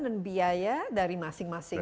dan biaya dari masing masing